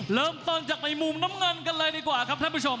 เริ่มต้นจากในมุมน้ำเงินกันเลยดีกว่าครับท่านผู้ชม